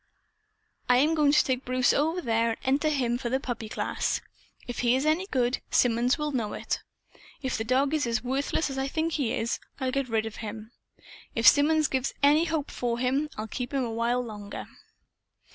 I am going to take Bruce over there and enter him for the puppy class. If he is any good, Symonds will know it. If the dog is as worthless as I think he is, I'll get rid of him. If Symonds gives any hope for him, I'll keep him on a while longer."